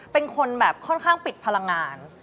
เป็นคนแบบค่อนข้างปิดพลังงาน